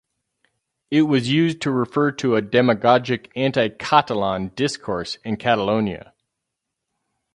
It was used to refer to a demagogic anti-Catalan discourse in Catalonia.